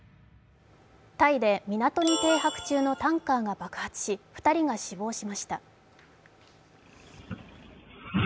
タイで港に停泊中のタンカーが爆発し２人が死亡しました。